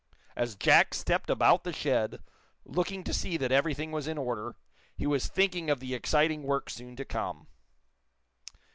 As Jack stepped about the shed, looking to see that everything was in order, he was thinking of the exciting work soon to come.